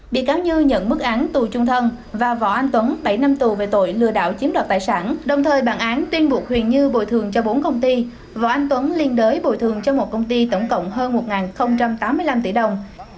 bị cáo như nhận bức án tù trung thân và võ anh tuấn bảy năm tù về tội lừa đảo chiếm đoạt tài sản đồng thời bản án tuyên buộc huỳnh như bồi thường cho bốn công ty võ anh tuấn liên đối bồi thường cho một công ty tổng cộng hơn một tám mươi năm tỷ đồng